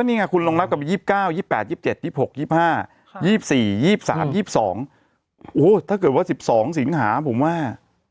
นี่ไงคุณลองรับกลับไป๒๙๒๘๒๗๒๖๒๕๒๔๒๓๒๒โอ้ถ้าเกิดว่า๑๒สิงหาผมว่า